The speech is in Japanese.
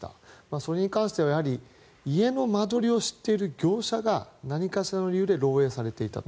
それに関しては家の間取りを知っている業者が何かしらの理由で漏えいされていたと。